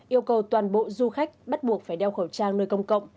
yêu cầu toàn bộ du khách bắt buộc phải đeo khẩu trang nơi công cộng